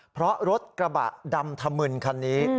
เพราะรถกระบะดำถมึนคันนี้